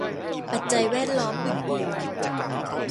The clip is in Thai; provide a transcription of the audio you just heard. ปัจจัยแวดล้อมอื่นอื่น